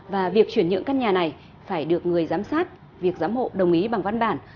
và việc chuyển nhượng căn nhà này phải được người giám sát việc giám hộ đồng ý bằng văn bản